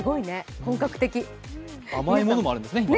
今、甘いものもあるんですね